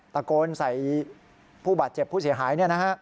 ตะโกนใส่ผู้บาดเจ็บผู้เสียหาย